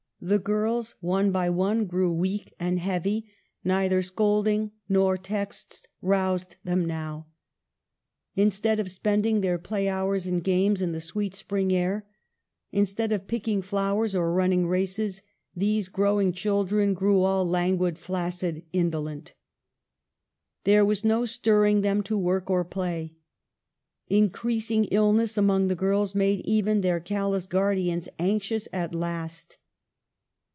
The girls one by one grew weak and heavy, neither scolding nor texts roused them now ; instead of spending their play hours in games in the sweet spring air, instead of picking flowers or running races, these growing children grew all languid, flaccid, indolent. There was no stirring them to work or play. Increasing illness among the girls made even their callous guardians anxious at last.